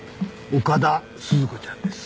岡田鈴子ちゃんです。